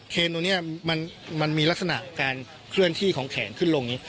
เครนตรงเนี้ยมันมันมีลักษณะการเคลื่อนที่ของแขนขึ้นลงนี้